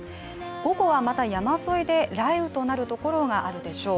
午後は、また山沿いで雷雨となるところがあるでしょう。